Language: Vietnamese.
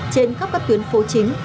trên khắp các tuyến phố chính